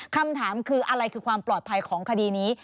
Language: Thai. คำถามคืออะไรคือความปลอดภัยของคดีนี้